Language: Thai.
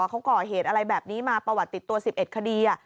เขาก่อเหตุอะไรแบบนี้มาประวัติติดตัว๑๑คดี